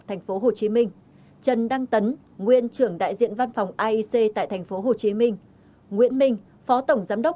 tp hcm trần đăng tấn nguyên trưởng đại diện văn phòng aic tại tp hcm nguyễn minh phó tổng giám đốc